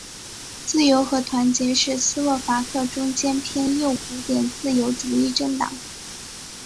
自由和团结是斯洛伐克中间偏右古典自由主义政党。